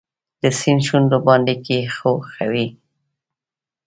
د سیند شونډو باندې کښېښوي